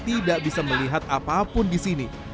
tidak bisa melihat apapun disini